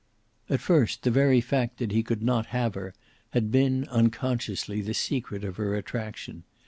At first the very fact that he could not have her had been, unconsciously, the secret of her attraction.